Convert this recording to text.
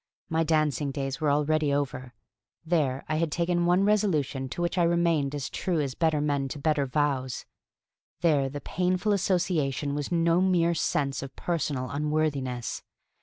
My dancing days were already over; there I had taken the one resolution to which I remained as true as better men to better vows; there the painful association was no mere sense of personal unworthiness.